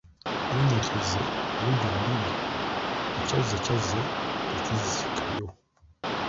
Erinnya Kyazze mubujjuvu liri Ekyazze kyazze tekizzikayo.